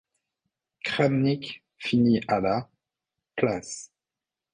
Kramnik finit à la - place.